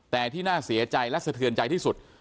แต่ที่น่าเสียใจและเศรษฐ์เทียนใจที่สุด